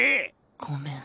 ごめん。